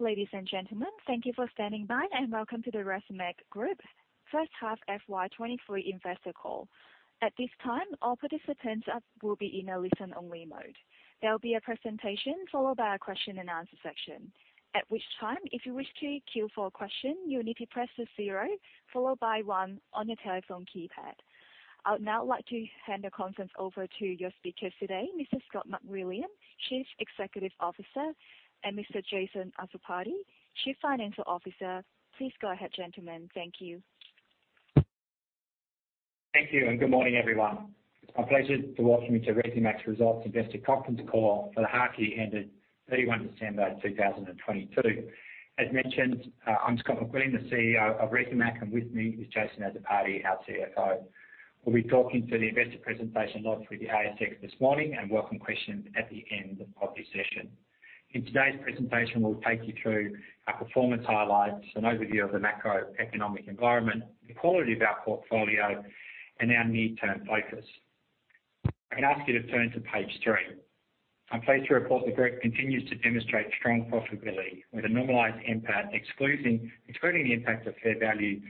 Ladies and gentlemen, thank you for standing by, and welcome to the Resimac Group first half FY 2023 investor call. At this time, all participants will be in a listen-only mode. There will be a presentation followed by a question and answer section. At which time, if you wish to queue for a question, you will need to press zero followed by one on your telephone keypad. I would now like to hand the conference over to your speakers today, Mr. Scott McWilliam, Chief Executive Officer, and Mr. Jason Azzopardi, Chief Financial Officer. Please go ahead, gentlemen. Thank you. Thank you, and good morning, everyone. My pleasure to welcome you to Resimac's results investor conference call for the half year ended December 31, 2022. As mentioned, I'm Scott McWilliam, the CEO of Resimac, and with me is Jason Azzopardi, our CFO. We'll be talking to the investor presentation launch with the ASX this morning and welcome questions at the end of this session. In today's presentation, we'll take you through our performance highlights, an overview of the macroeconomic environment, the quality of our portfolio, and our near-term focus. I can ask you to turn to page 3. I'm pleased to report the group continues to demonstrate strong profitability with a normalized NPAT excluding the impact of fair value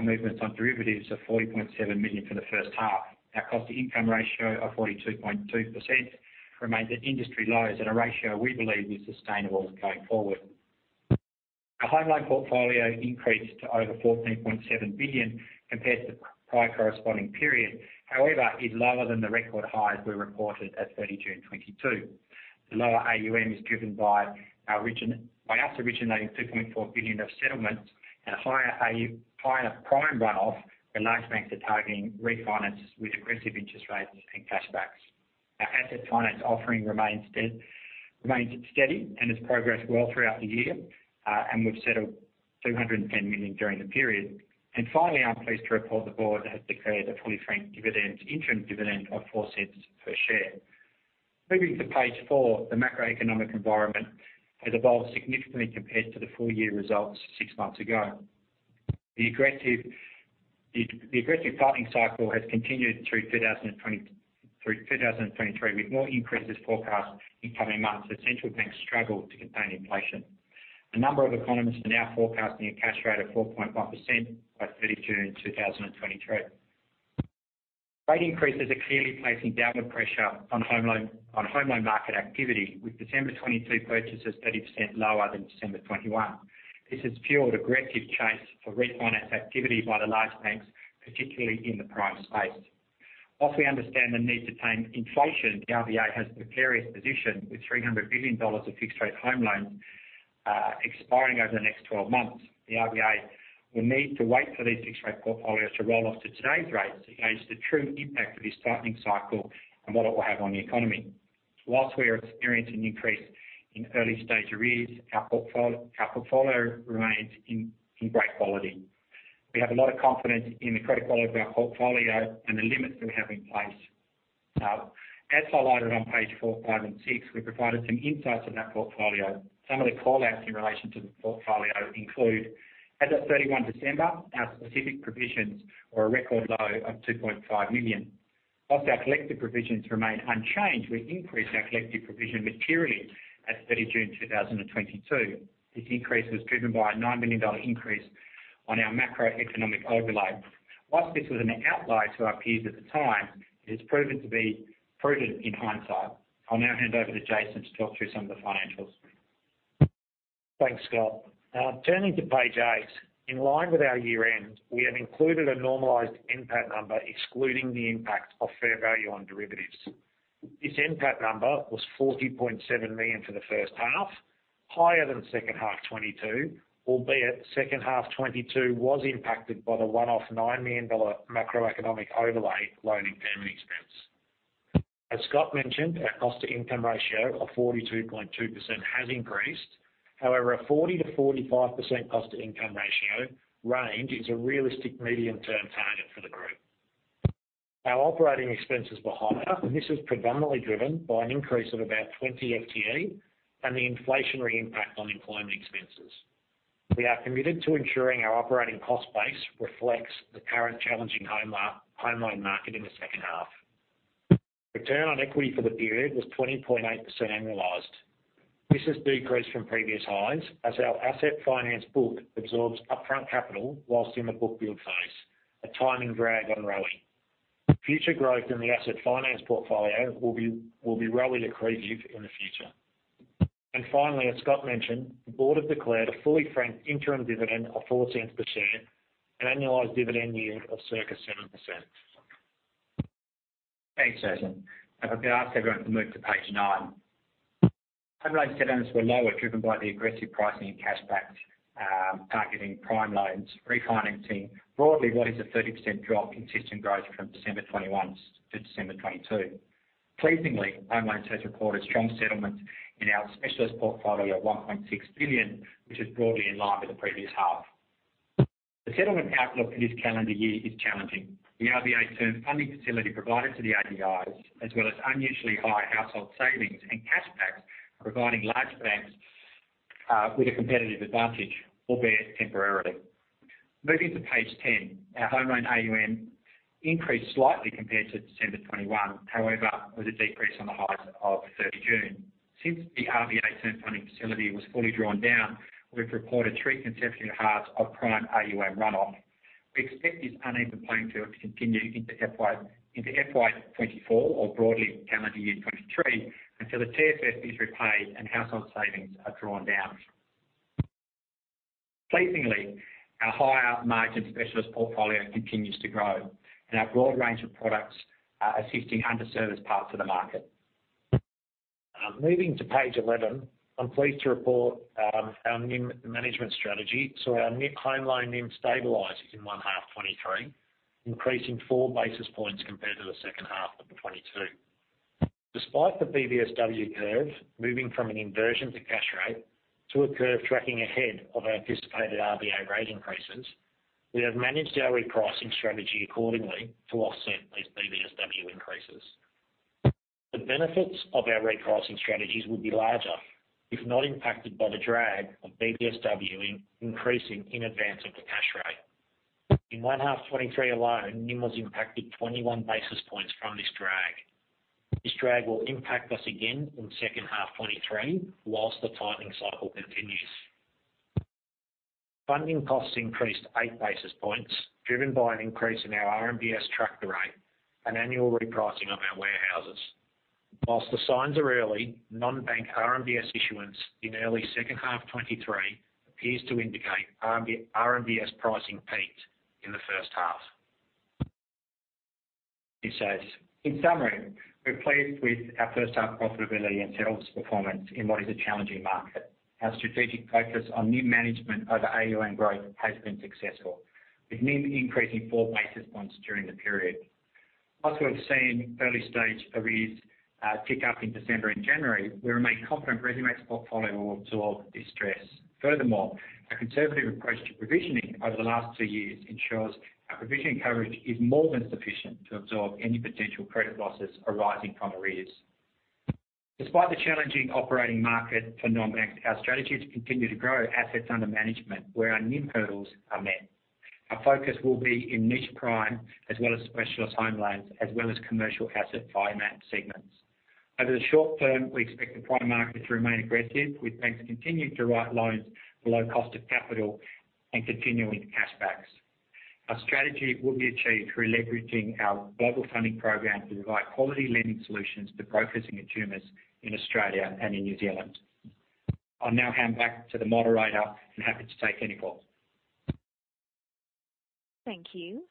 movements on derivatives of 40.7 million for the first half. Our cost-to-income ratio of 42.2% remains at industry lows and a ratio we believe is sustainable going forward. Our home loan portfolio increased to over 14.7 billion compared to prior corresponding period. Is lower than the record highs we reported at June 2022. The lower AUM is driven by us originating 2.4 billion of settlements and a higher prime runoff, where large banks are targeting refinance with aggressive interest rates and cashbacks. Our asset finance offering remains steady and has progressed well throughout the year, and we've settled 210 million during the period. Finally, I'm pleased to report the board has declared a fully franked dividend, interim dividend of 0.04 per share. Moving to page four, the macroeconomic environment has evolved significantly compared to the full-year results six months ago. The aggressive tightening cycle has continued through 2023, with more increases forecast in coming months as central banks struggle to contain inflation. A number of economists are now forecasting a cash rate of 4.1% by 30 June 2023. Rate increases are clearly placing downward pressure on home loan market activity, with December 2022 purchases 30% lower than December 2021. This has fueled aggressive chase for refinance activity by the large banks, particularly in the prime space. Whilst we understand the need to tame inflation, the RBA has a precarious position with 300 billion dollars of fixed rate home loans expiring over the next 12 months. The RBA will need to wait for these fixed rate portfolios to roll off to today's rates to gauge the true impact of this tightening cycle and what it will have on the economy. Whilst we are experiencing increase in early stage arrears, our portfolio remains in great quality. We have a lot of confidence in the credit quality of our portfolio and the limits that we have in place. As highlighted on page 4, 5 and 6, we've provided some insights on that portfolio. Some of the call-outs in relation to the portfolio include: as at 31 December, our specific provisions were a record low of 2.5 million. Whilst our collective provisions remain unchanged, we increased our collective provision materially at 30 June 2022. This increase was driven by an 9 million dollar increase on our macroeconomic overlay. Whilst this was an outlier to our peers at the time, it has proven to be prudent in hindsight. I'll now hand over to Jason to talk through some of the financials. Thanks, Scott. Turning to page 8. In line with our year-end, we have included a normalized NPAT number excluding the impact of fair value on derivatives. This NPAT number was 40.7 million for the first half, higher than second half 2022, albeit second half 2022 was impacted by the one-off 9 million dollar macroeconomic overlay loan impairment expense. As Scott mentioned, our cost-to-income ratio of 42.2% has increased. A 40%-45% cost-to-income ratio range is a realistic medium-term target for the group. Our operating expenses were higher, this was predominantly driven by an increase of about 20 FTE and the inflationary impact on employment expenses. We are committed to ensuring our operating cost base reflects the current challenging home loan market in the second half. Return on equity for the period was 20.8% annualized. This has decreased from previous highs as our asset finance book absorbs upfront capital whilst in the book build phase, a timing drag on NIM. Future growth in the asset finance portfolio will be NIM accretive in the future. Finally, as Scott mentioned, the board has declared a fully franked interim dividend of 14 cents per share, an annualized dividend yield of circa 7%. Thanks, Jason. If I could ask everyone to move to page 9. Home loan settlements were lower, driven by the aggressive pricing and cashbacks, targeting prime loans, refinancing. Broadly, what is a 30% drop in system growth from December 2021 to December 2022. Pleasingly, Home Loans has recorded strong settlements in our specialist portfolio of 1.6 billion, which is broadly in line with the previous half. The settlement outlook for this calendar year is challenging. The RBA Term Funding Facility provided to the ADIs, as well as unusually high household savings and cashbacks, providing large banks with a competitive advantage, albeit temporarily. Moving to page 10, our home loan AUM increased slightly compared to December 2021. With a decrease on the height of 30 June. Since the RBA Term Funding Facility was fully drawn down, we've reported three consecutive halves of prime AUM runoff. We expect this uneven playing field to continue into FY 2024 or broadly calendar year 2023 until the TFF is repaid and household savings are drawn down. Pleasingly, our higher margin specialist portfolio continues to grow, and our broad range of products are assisting under-serviced parts of the market. Moving to page 11, I'm pleased to report, our NIM management strategy saw our net home loan NIM stabilizing in first half 2023, increasing 4 basis points compared to the second half of 2022. Despite the BBSW curve moving from an inversion to cash rate to a curve tracking ahead of our anticipated RBA rate increases, we have managed our repricing strategy accordingly to offset these BBSW increases. The benefits of our repricing strategies would be larger if not impacted by the drag of BBSW increasing in advance of the cash rate. In first half 2023 alone, NIM was impacted 21 basis points from this drag. This drag will impact us again in second half 2023 whilst the tightening cycle continues. Funding costs increased 8 basis points, driven by an increase in our RMBS tracker rate, an annual repricing of our warehouses. While the signs are early, non-bank RMBS issuance in early second half 2023 appears to indicate RMBS pricing peaked in the first half. It says, in summary, we're pleased with our first half profitability and settles performance in what is a challenging market. Our strategic focus on new management over AUM growth has been successful, with NIM increasing 4 basis points during the period. Plus, we've seen early stage arrears tick up in December and January. We remain confident Resimac's portfolio will absorb this stress. Furthermore, a conservative approach to provisioning over the last two years ensures our provisioning coverage is more than sufficient to absorb any potential credit losses arising from arrears. Despite the challenging operating market for non-bank, our strategy to continue to grow assets under management where our NIM hurdles are met. Our focus will be in niche prime as well as specialist home loans, as well as commercial asset finance segments. Over the short term, we expect the prime market to remain aggressive, with banks continuing to write loans below cost of capital and continuing cashbacks. Our strategy will be achieved through leveraging our global funding program to provide quality lending solutions to brokers and consumers in Australia and in New Zealand. I'll now hand back to the moderator and happy to take any calls. Thank you.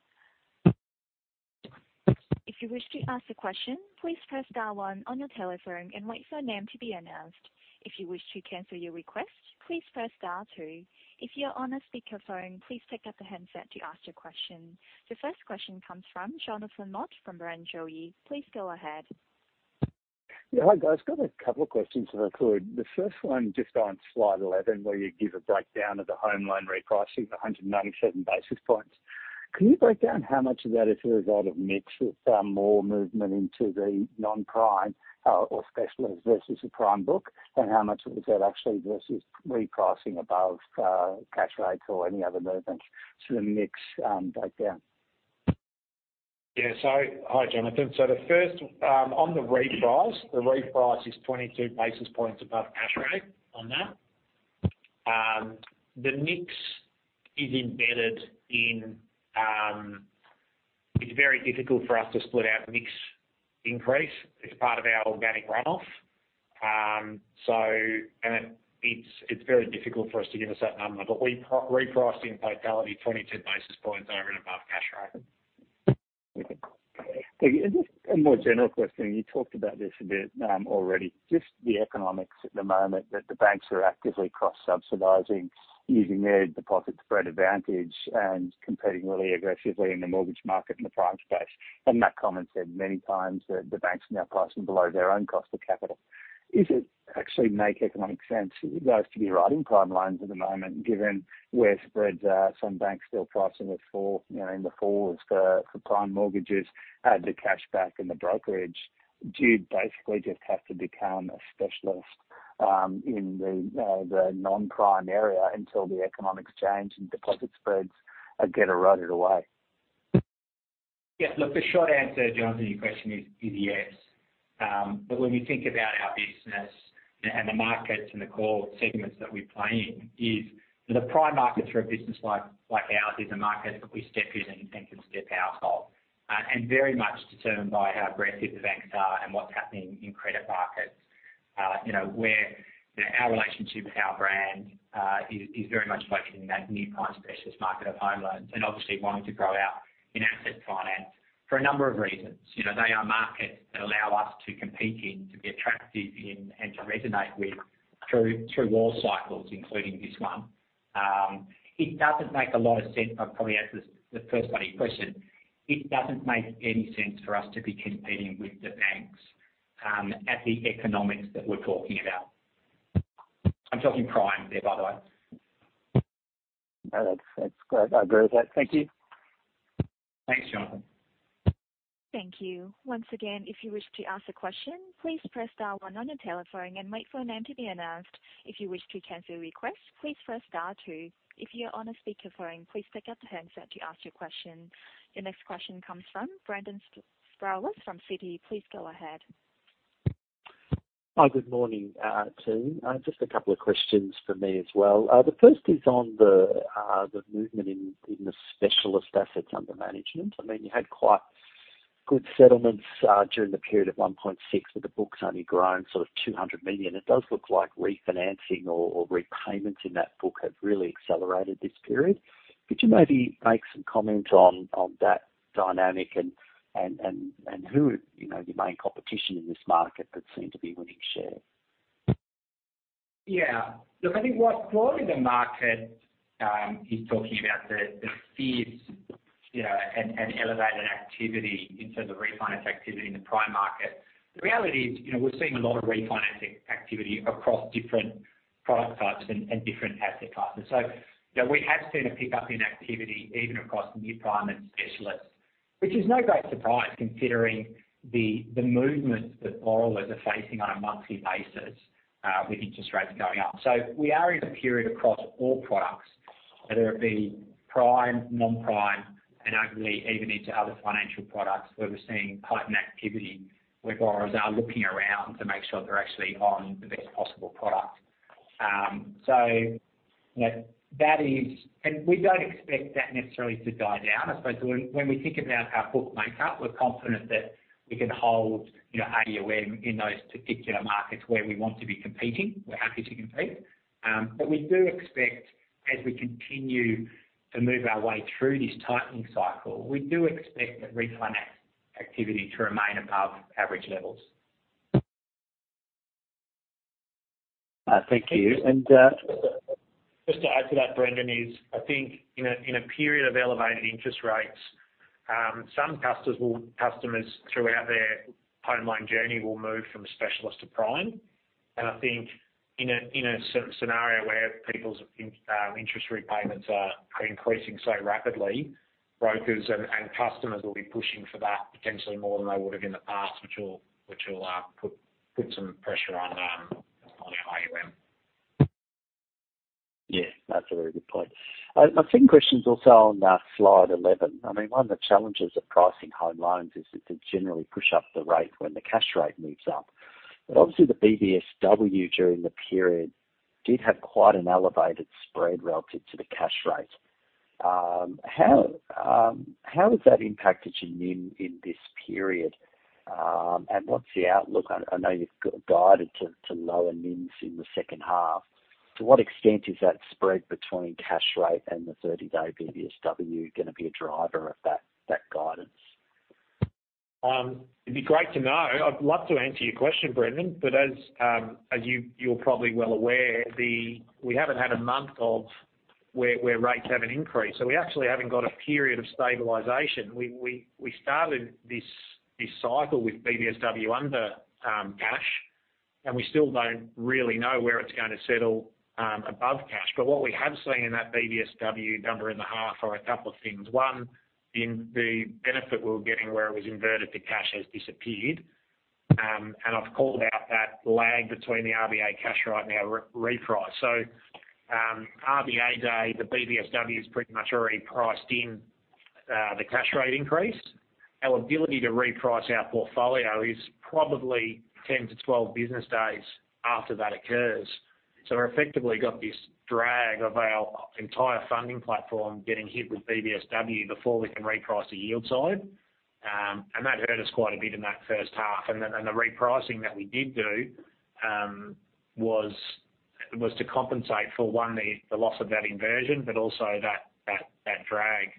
If you wish to ask a question, please press star one on your telephone and wait for your name to be announced. If you wish to cancel your request, please press star two. If you're on a speakerphone, please pick up the handset to ask your question. The first question comes from Jonathan Mott from Barrenjoey. Please go ahead. Yeah. Hi, guys. Got a couple of questions if I could. The first one just on slide 11, where you give a breakdown of the home loan repricing, the 197 basis points. Can you break down how much of that is a result of mix with more movement into the non-prime or specialist versus the prime book? How much of is that actually versus repricing above cash rates or any other movements to the mix breakdown? Yeah. Hi, Jonathan. The first, on the reprice, the reprice is 22 basis points above cash rate on that. The mix is embedded in. It's very difficult for us to split out mix increase. It's part of our organic runoff. It's very difficult for us to give a certain number, but we repricing in totality, 22 basis points over and above cash rate. Okay. Just a more general question, you talked about this a bit, already, just the economics at the moment that the banks are actively cross-subsidizing using their deposit spread advantage and competing really aggressively in the mortgage market in the prime space. That comment said many times that the banks are now pricing below their own cost of capital. Is it actually make economic sense for those to be writing prime loans at the moment, given where spreads are, some banks still pricing with four, you know, in the fours for prime mortgages, the cashback and the brokerage? Do you basically just have to become a specialist, in the non-prime area until the economics change and deposit spreads get eroded away? Yeah. Look, the short answer, Jonathan, your question is yes. When we think about our business and the markets and the core segments that we play in, is the prime markets for a business like ours, is a market that we step in and banks can step out of. Very much determined by how aggressive the banks are and what's happening in credit markets. You know, where, you know, our relationship with our brand, is very much focused in that new prime specialist market of home loans and obviously wanting to grow out in asset finance for a number of reasons. You know, they are markets that allow us to compete in, to be attractive in, and to resonate with through all cycles, including this one. It doesn't make a lot of sense. I'd probably answer the first part of your question. It doesn't make any sense for us to be competing with the banks, at the economics that we're talking about. I'm talking prime there, by the way. No, that's great. I agree with that. Thank you. Thanks, John. Thank you. Once again, if you wish to ask a question, please press star one on your telephone and wait for your name to be announced. If you wish to cancel your request, please press star two. If you're on a speakerphone, please pick up the handset to ask your question. Your next question comes from Brendan Sproules from Citi. Please go ahead. Hi. Good morning, team. Just a couple of questions for me as well. The first is on the movement in the specialist assets under management. I mean, you had quite good settlements during the period of 1.6 billion, but the books only grown sort of 200 million. It does look like refinancing or repayments in that book have really accelerated this period. Could you maybe make some comment on that dynamic and who, you know, your main competition in this market that seem to be winning share? Yeah, look, I think what broadly the market is talking about the fears, you know, and elevated activity in terms of refinance activity in the prime market. The reality is, you know, we're seeing a lot of refinancing activity across different product types and different asset classes. We have seen a pickup in activity even across near prime and specialist, which is no great surprise considering the movements that borrowers are facing on a monthly basis, with interest rates going up. We are in a period across all products, whether it be prime, non-prime and arguably even into other financial products where we're seeing heightened activity, where borrowers are looking around to make sure they're actually on the best possible product. We don't expect that necessarily to die down. I suppose when we think about our book makeup, we're confident that we can hold, you know, AUM in those particular markets where we want to be competing, we're happy to compete. We do expect as we continue to move our way through this tightening cycle, we do expect that refinance activity to remain above average levels. Thank you. Just to add to that, Brendan, is I think in a period of elevated interest rates, some customers throughout their home loan journey will move from specialist to prime. I think in a scenario where people's interest repayments are increasing so rapidly, brokers and customers will be pushing for that potentially more than they would have in the past, which will put some pressure on our AUM. Yeah, that's a very good point. I, my second question is also on slide 11. I mean, one of the challenges of pricing home loans is that they generally push up the rate when the cash rate moves up. Obviously the BBSW during the period did have quite an elevated spread relative to the cash rate. How has that impacted your NIM in this period? What's the outlook? I know you've got it guided to lower NIMs in the second half. To what extent is that spread between cash rate and the 30-day BBSW gonna be a driver of that guidance? It'd be great to know. I'd love to answer your question, Brendan, as you're probably well aware, we haven't had a month of where rates have increased, we actually haven't got a period of stabilization. We started this cycle with BBSW under cash, we still don't really know where it's gonna settle above cash. What we have seen in that BBSW number in the half are a couple of things. One, in the benefit we were getting where it was inverted to cash has disappeared. I've called out that lag between the RBA cash right now repriced. RBA day, the BBSW has pretty much already priced in the cash rate increase. Our ability to reprice our portfolio is probably 10 to 12 business days after that occurs. We've effectively got this drag of our entire funding platform getting hit with BBSW before we can reprice the yield side. That hurt us quite a bit in that first half. The repricing that we did do was to compensate for, one, the loss of that inversion, but also that drag.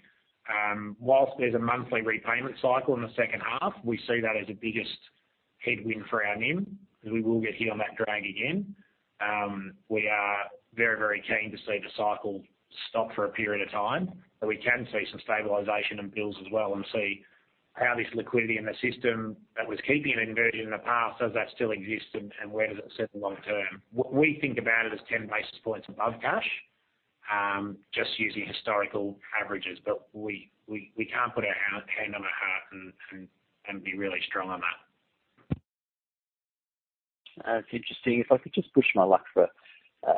Whilst there's a monthly repayment cycle in the second half, we see that as the biggest headwind for our NIM, because we will get hit on that drag again. We are very, very keen to see the cycle stop for a period of time, so we can see some stabilization in bills as well and see how this liquidity in the system that was keeping it inverted in the past, does that still exist and where does it sit long term? We think about it as 10 basis points above cash, just using historical averages, but we can't put our hand on our heart and be really strong on that. That's interesting. If I could just push my luck for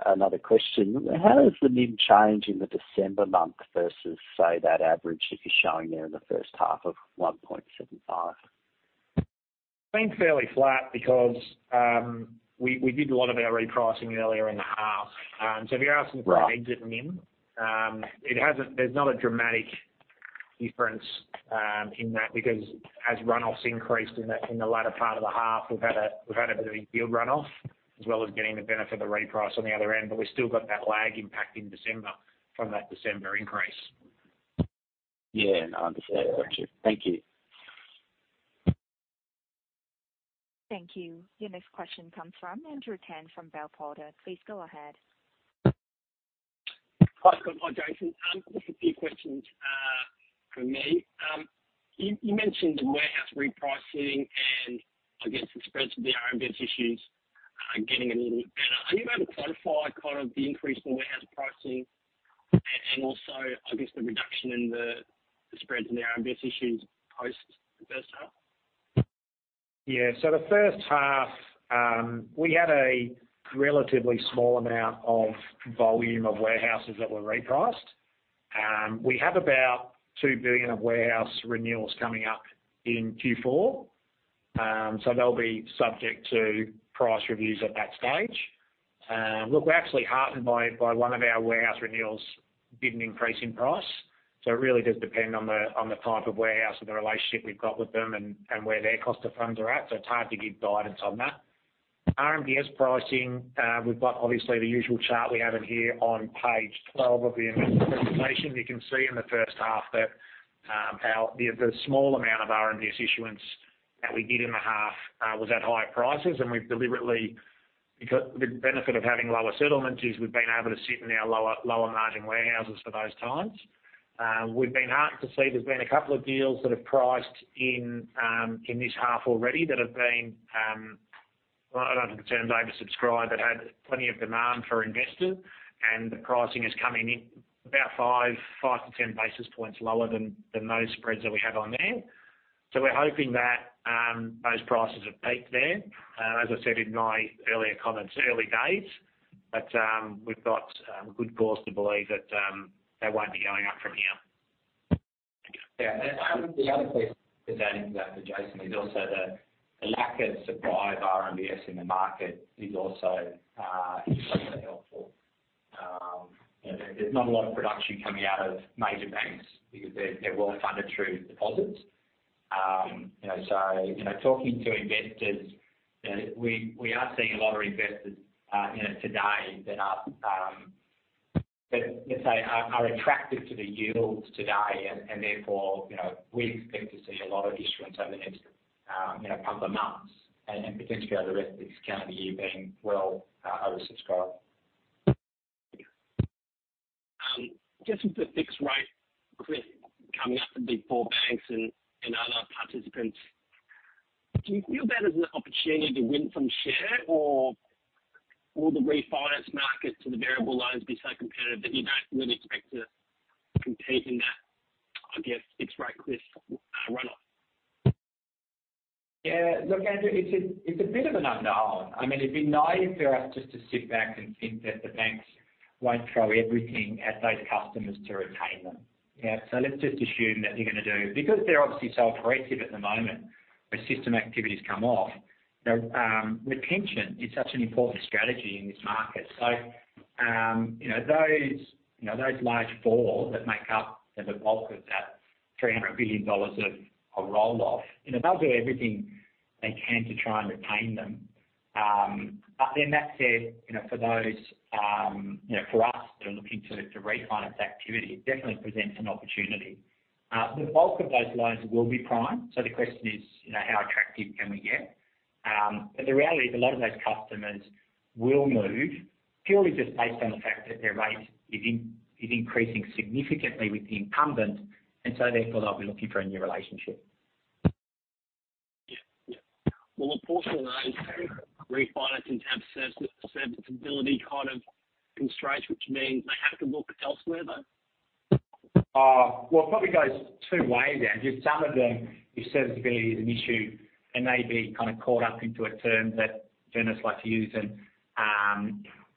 another question. How does the NIM change in the December month versus, say, that average that you're showing there in the first half of 1.75%? It's been fairly flat because we did a lot of our repricing earlier in the half. If you're asking for exit NIM, there's not a dramatic difference in that because as run-offs increased in the latter part of the half, we've had a bit of a yield runoff as well as getting the benefit of the reprice on the other end. We still got that lag impact in December from that December increase. Yeah, no, I understand. Got you. Thank you. Thank you. Your next question comes from Andrew Tan from Bell Potter. Please go ahead. Hi, Scott. Hi, Jason. Just a few questions from me. You mentioned warehouse repricing and I guess the spreads with the RMBS issues. Are getting a little bit better. Are you able to quantify kind of the increase in warehouse pricing and also, I guess, the reduction in the spreads in the RMBS issues post the first half? Yeah. The first half, we had a relatively small amount of volume of warehouses that were repriced. We have about 2 billion of warehouse renewals coming up in Q4. They'll be subject to price reviews at that stage. Look, we're actually heartened by one of our warehouse renewals did an increase in price. It really does depend on the type of warehouse or the relationship we've got with them and where their cost of funds are at. It's hard to give guidance on that. RMBS pricing, we've got obviously the usual chart we have in here on page 12 of the investor presentation. You can see in the first half that our small amount of RMBS issuance that we did in the half was at higher prices, and we've deliberately, because the benefit of having lower settlement is we've been able to sit in our lower margin warehouses for those times. We've been heartened to see there's been a couple of deals that have priced in this half already that have been, I don't know if the term oversubscribed, but had plenty of demand for investors, and the pricing is coming in about 5 to 10 basis points lower than those spreads that we have on there. We're hoping that those prices have peaked there. As I said in my earlier comments, early days, but we've got good cause to believe that they won't be going up from here. Okay. Yeah. The other, the other piece to add into that for Jason is also the lack of supply of RMBS in the market is also extremely helpful. You know, there's not a lot of production coming out of major banks because they're well funded through deposits. You know, so, you know, talking to investors, you know, we are seeing a lot of investors, you know, today that are that let's say are attractive to the yields today, and therefore, you know, we expect to see a lot of issuance over the next, you know, couple of months and potentially over the rest of this calendar year being well oversubscribed. Just with the fixed rate cliff coming up, the big four banks and other participants, do you feel that is an opportunity to win some share or will the refinance market to the variable loans be so competitive that you don't really expect to compete in that, I guess, fixed rate cliff, runoff? Look, Andrew, it's a bit of an unknown. I mean, it'd be naive for us just to sit back and think that the banks won't throw everything at those customers to retain them. Let's just assume that they're gonna do. Because they're obviously so aggressive at the moment, when system activities come off, retention is such an important strategy in this market. You know, those, you know, those large four that make up the bulk of that 300 billion dollars of roll-off, you know, they'll do everything they can to try and retain them. That said, you know, for those, you know, for us that are looking to refinance activity, it definitely presents an opportunity. The bulk of those loans will be prime, so the question is, you know, how attractive can we get? The reality is a lot of those customers will move purely just based on the fact that their rate is increasing significantly with the incumbent, therefore, they'll be looking for a new relationship. Yeah. Yeah. Well, a portion of those refinance into service, serviceability kind of constraints, which means they have to look elsewhere though? well, it probably goes two ways, Andrew. Some of them, if serviceability is an issue and may be kind of caught up into a term that journalists like to use and,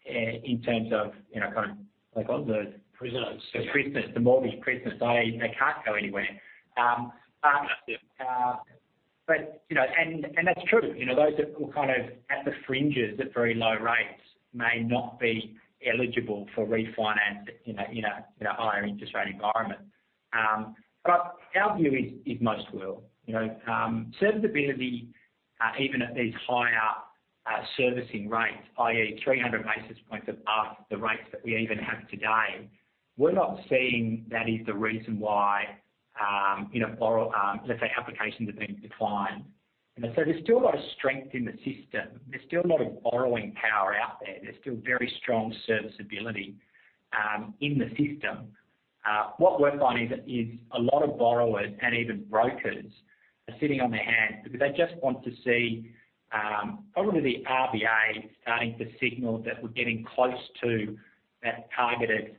in terms of, you know, kind of like, what was it? Prisoners. The prisoners, the mortgage prisoners, they can't go anywhere. Yeah. You know, and that's true. You know, those that were kind of at the fringes at very low rates may not be eligible for refinance in a, in a, in a higher interest rate environment. Our view is most will. You know, serviceability, even at these higher, servicing rates, i.e. 300 basis points above the rates that we even have today, we're not seeing that is the reason why, you know, borrow, let's say applications are being declined. You know, so there's still a lot of strength in the system. There's still a lot of borrowing power out there. There's still very strong serviceability, in the system. What we're finding is a lot of borrowers and even brokers are sitting on their hands because they just want to see, probably the RBA starting to signal that we're getting close to that targeted,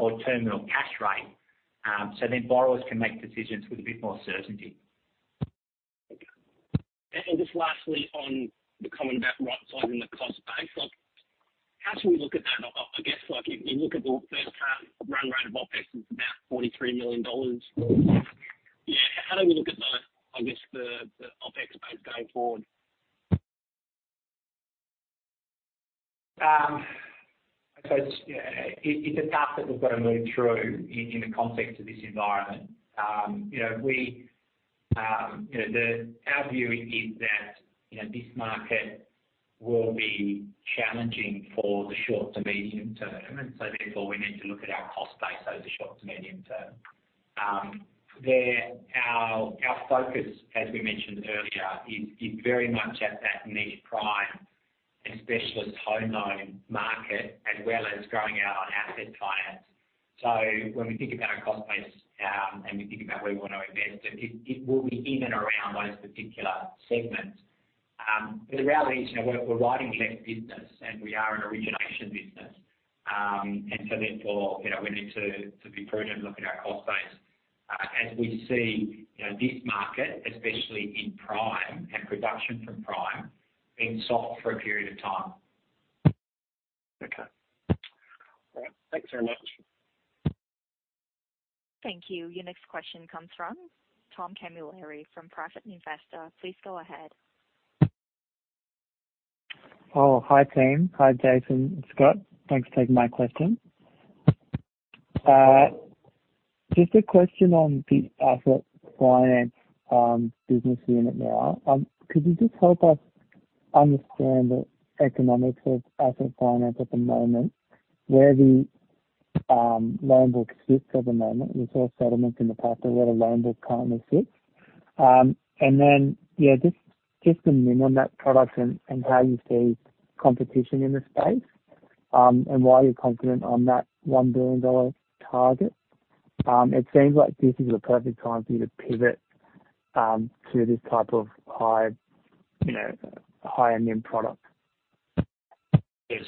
or terminal cash rate. Borrowers can make decisions with a bit more certainty. Okay. Just lastly, on the comment about right-sizing the cost base, like how do we look at that? I guess, like if you look at the first half run rate of OpEx, it's about 43 million dollars. Yeah. How do we look at the, I guess, the OpEx base going forward? I guess, yeah, it's a task that we've got to move through in the context of this environment. You know, we, you know, our view is that, you know, this market will be challenging for the short to medium term. Therefore, we need to look at our cost base over the short to medium term. Our focus, as we mentioned earlier, is very much at that niche prime and specialist home loan market, as well as growing our asset finance. When we think about our cost base, and we think about where we want to invest, it will be in and around those particular segments. The reality is, you know, we're writing less business and we are an origination business. Therefore, you know, we need to be prudent, look at our cost base, as we see, you know, this market, especially in prime and production from prime, being soft for a period of time. Okay. All right. Thanks very much. Thank you. Your next question comes from Tom Kamilarri from Private Investor. Please go ahead. Hi, team. Hi, Jason and Scott. Thanks for taking my question. Just a question on the asset finance business unit now. Could you just help us understand the economics of asset finance at the moment, where the loan book sits at the moment? We saw settlements in the past, but where the loan book currently sits. Yeah, just the NIM on that product and how you see competition in the space, and why you're confident on that 1 billion dollar target. It seems like this is the perfect time for you to pivot to this type of high, you know, high NIM product. Yeah.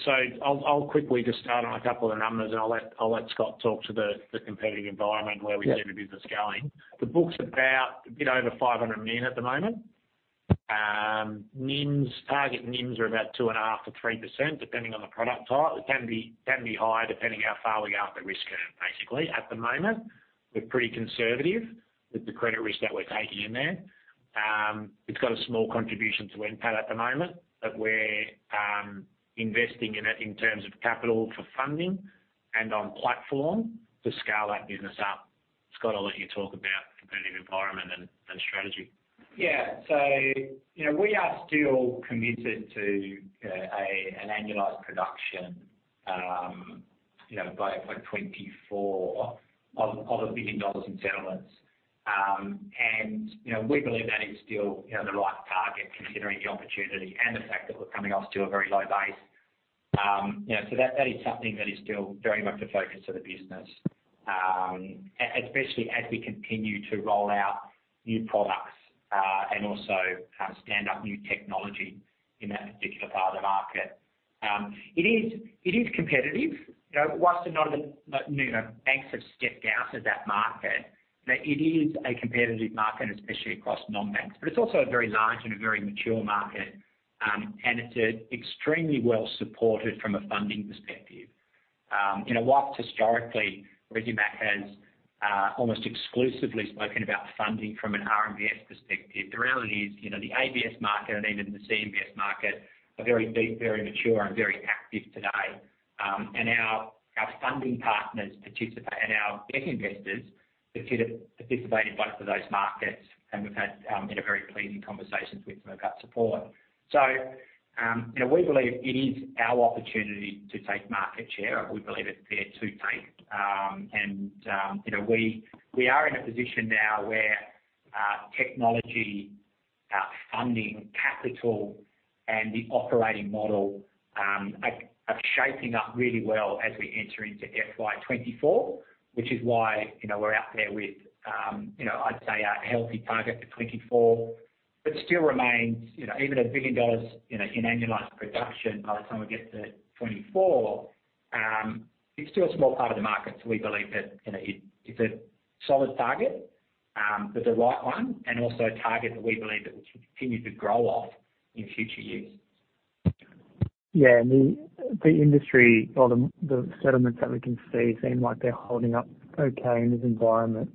I'll quickly just start on a couple of the numbers, and I'll let Scott talk to the competing environment where we see the business going. The book's about a bit over 500 million at the moment. NIMs, target NIMs are about 2.5%-3%, depending on the product type. It can be higher depending how far we go up the risk curve, basically. At the moment, we're pretty conservative with the credit risk that we're taking in there. It's got a small contribution to NPAT at the moment, but we're investing in it in terms of capital for funding and on platform to scale that business up. Scott, I'll let you talk about competitive environment and strategy. Yeah. You know, we are still committed to an annualized production, you know, by 2024 of 1 billion dollars in settlements. You know, we believe that is still, you know, the right target considering the opportunity and the fact that we're coming off to a very low base. You know, that is something that is still very much a focus of the business, especially as we continue to roll out new products and also, kind of, stand up new technology in that particular part of the market. It is competitive. You know, whilst a lot of the, you know, banks have stepped out of that market, that it is a competitive market, especially across non-banks, but it's also a very large and a very mature market, and it's extremely well supported from a funding perspective. You know, whilst historically Resimac has almost exclusively spoken about funding from an RMBS perspective, the reality is, you know, the ABS market and even the CMBS market are very deep, very mature and very active today. Our funding partners and our debt investors participate in both of those markets, and we've had, you know, very pleasing conversations with them about support. You know, we believe it is our opportunity to take market share, and we believe it's there to take. You know, we are in a position now where technology, funding, capital and the operating model are shaping up really well as we enter into FY 2024, which is why, you know, we're out there with, you know, I'd say a healthy target for 2024, but still remains, you know, even $1 billion, you know, in annualized production by the time we get to 2024, it's still a small part of the market. We believe that, you know, it's a solid target, but the right one and also a target that we believe that we can continue to grow off in future years. Yeah. The industry or the settlements that we can see seem like they're holding up okay in this environment.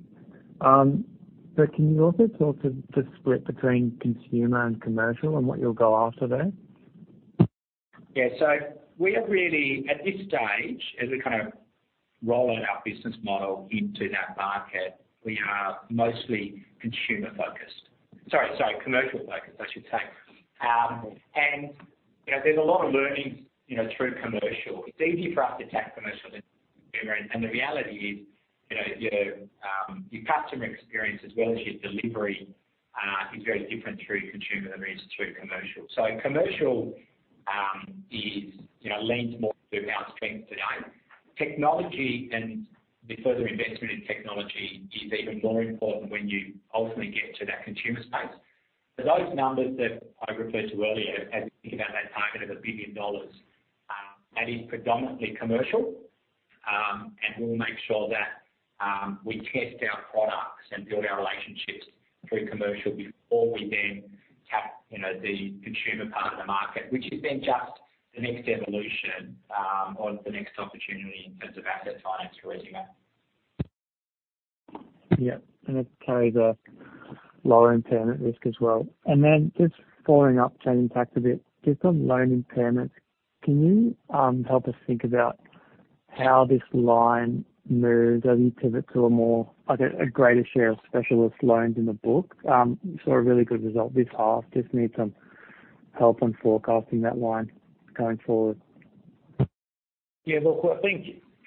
Can you also talk to the split between consumer and commercial and what you'll go after there? Yeah. We are really, at this stage, as we kind of roll out our business model into that market, we are mostly consumer focused. Sorry, commercial focused, I should say. You know, there's a lot of learnings, you know, through commercial. It's easier for us to attack commercial than consumer. The reality is, you know, your customer experience as well as your delivery is very different through consumer than it is through commercial. Commercial, you know, leans more to our strength today. Technology and the further investment in technology is even more important when you ultimately get to that consumer space. Those numbers that I referred to earlier, as we think about that target of 1 billion dollars, that is predominantly commercial. We'll make sure that we test our products and build our relationships through commercial before we then tap, you know, the consumer part of the market, which is then just the next evolution, or the next opportunity in terms of asset finance for Resimac. Yeah. It carries a lower impairment risk as well. Then just following up, changing tack a bit. Just on loan impairments, can you help us think about how this line moves as you pivot to a more, I guess, a greater share of specialist loans in the book? We saw a really good result this half. Just need some help on forecasting that line going forward. Yeah. Look, I think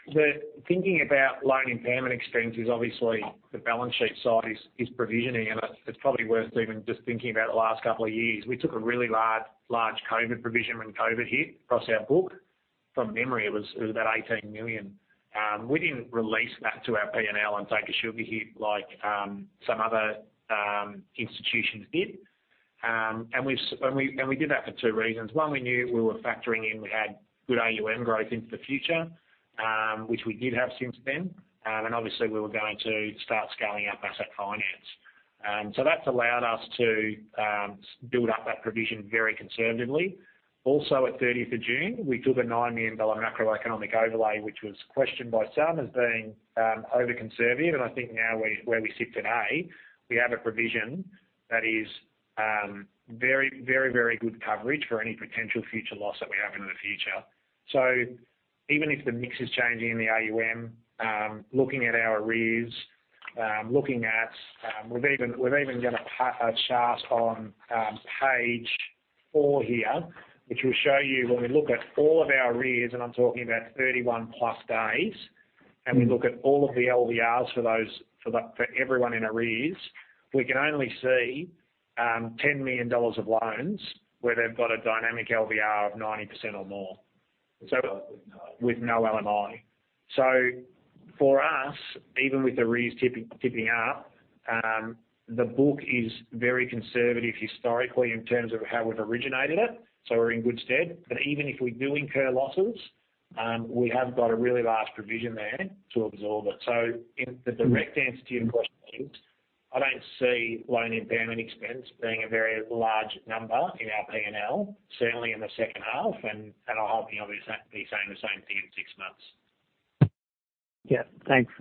the thinking about loan impairment expense is obviously the balance sheet side is provisioning. It's probably worth even just thinking about the last couple of years. We took a really large COVID provision when COVID hit across our book. From memory, it was about 18 million. We didn't release that to our P&L and take a sugar hit like some other institutions did. We did that for two reasons. One, we knew we were factoring in, we had good AUM growth into the future, which we did have since then. Obviously we were going to start scaling up asset finance. That's allowed us to build up that provision very conservatively. At 30th of June, we took an 9 million dollar macroeconomic overlay, which was questioned by some as being over-conservative. I think now where we sit today, we have a provision that is very, very good coverage for any potential future loss that we have into the future. Even if the mix is changing in the AUM, looking at our arrears, looking at, we've even got a chart on page 4 here, which will show you when we look at all of our arrears, and I'm talking about 31 plus days, and we look at all of the LVRs for those, for everyone in arrears, we can only see 10 million dollars of loans where they've got a dynamic LVR of 90% or more. With no LMI. With no LMI. For us, even with arrears tipping up, the book is very conservative historically in terms of how we've originated it, so we're in good stead. Even if we do incur losses, we have got a really large provision there to absorb it. In the direct answer to your question, I don't see loan impairment expense being a very large number in our P&L, certainly in the second half, and I'll hopefully be saying the same thing in six months. Yeah, thanks.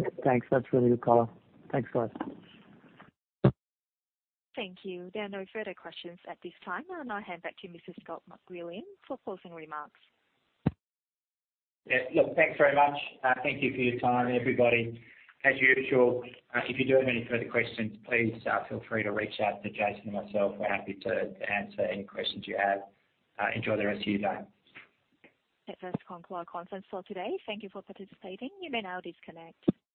That's really good color. Thanks, guys. Thank you. There are no further questions at this time. I'll now hand back to Mr. Scott McWilliam for closing remarks. Yeah. Look, thanks very much. Thank you for your time, everybody. As usual, if you do have any further questions, please feel free to reach out to Jason and myself. We're happy to answer any questions you have. Enjoy the rest of your day. That does conclude our conference call today. Thank you for participating. You may now disconnect.